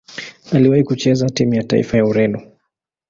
Aliwahi kucheza timu ya taifa ya Ureno.